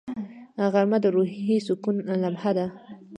غرمه د روحي سکون لمحه ده